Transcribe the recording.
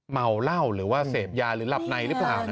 เมาเหล้าหรือว่าเสพยาหรือหลับในหรือเปล่า